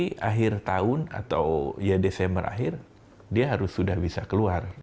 di akhir tahun atau ya desember akhir dia harus sudah bisa keluar